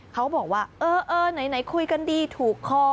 เขาบอกว่าเออไหนคุยกันดีถูกคอ